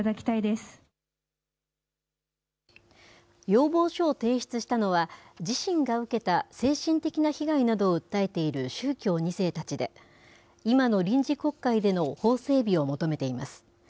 要望書を提出したのは、自身が受けた精神的な被害などを訴えている宗教２世たちで、今の臨時国会での法整備を求めています。